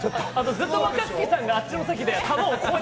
ずっと若槻さんがあっちの積極的で玉を。